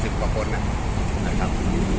กว่าคนนะครับ